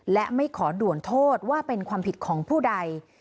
และไม่ขอด่วนโทษว่าเป็นความผิดของผู้ใด